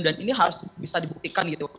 dan ini harus bisa dibuktikan gitu